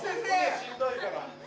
しんどいから。